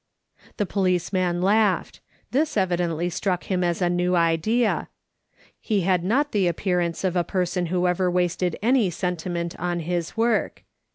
The policeman laughed ; this evidently struck him as a new idea. He had not the appearance of a person who ever wasted any sentiment on his work.